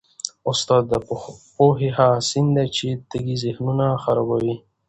استاد د پوهې هغه سیند دی چي تږي ذهنونه خړوبوي.